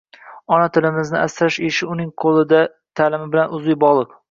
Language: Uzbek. Ona tilimizni asrash ishi uning taʼlimi bilan uzviy bogʻliq.